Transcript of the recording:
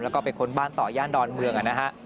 แล้วก็เป็นคนบ้านต่อย่านดอนเมือง